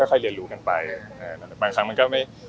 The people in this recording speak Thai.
มันก็ดีต่อความรู้สึกของคู่